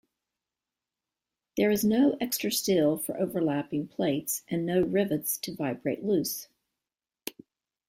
There is no extra steel for overlapping plates and no rivets to vibrate loose.